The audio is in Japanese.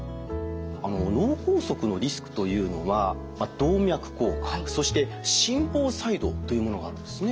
脳梗塞のリスクというのは動脈硬化そして心房細動というものがあるんですね。